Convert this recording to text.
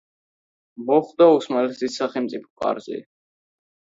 მოხვდა ოსმალეთის სამეფო კარზე.